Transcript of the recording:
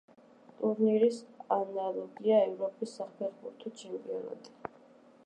ტურნირის ანალოგია ევროპის საფეხბურთო ჩემპიონატი.